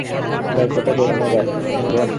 গল্পটা বেশ মজার, শুনবেন?